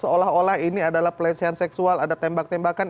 oh lah ini adalah pelecehan seksual ada tembak tembakan